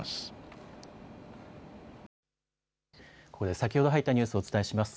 先ほど入ったニュースをお伝えします。